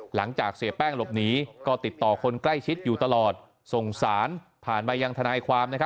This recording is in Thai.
หลังจากเสียแป้งหลบหนีก็ติดต่อคนใกล้ชิดอยู่ตลอดส่งสารผ่านมายังทนายความ